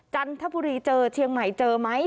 จันทบุรีเจอเชียงใหม่เจอไหม